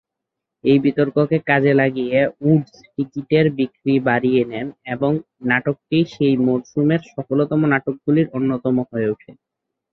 এই বিতর্ককে কাজে লাগিয়ে উডস টিকিটের বিক্রি বাড়িয়ে নেন এবং নাটকটি সেই মরসুমের সফলতম নাটকগুলির অন্যতম হয়ে ওঠে।